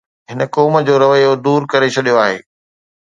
هن قوم جو رويو دور ڪري ڇڏيو آهي.